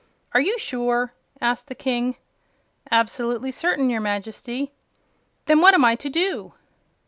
"Are you sure?" asked the King. "Absolutely certain, your Majesty." "Then what am I to do?"